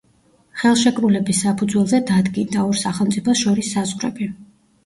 ხელშეკრულების საფუძველზე დადგინდა, ორ სახელმწიფოს შორის საზღვრები.